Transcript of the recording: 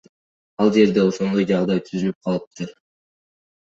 Ал жерде ошондой жагдай түзүлүп калыптыр.